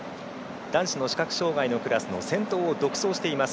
男子の視覚障がいのクラスの先頭を独走しています